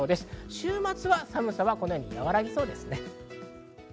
週末は寒さが和らぎそうです。